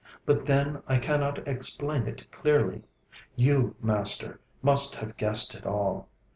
But, then, I cannot explain it clearly. You, Master, must have guessed it all.